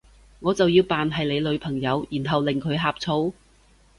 我就要扮係你女朋友，然後令佢呷醋？